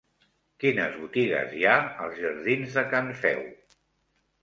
Quines botigues hi ha als jardins de Can Feu?